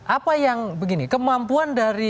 apa yang begini kemampuan dari